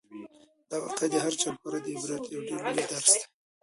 دا واقعه د هر چا لپاره د عبرت یو ډېر لوی درس دی.